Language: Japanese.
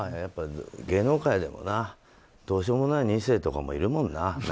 芸能界でも、どうしようもない２世とかいるもんな。